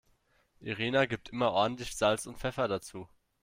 Irina gibt immer ordentlich Salz und Pfeffer dazu.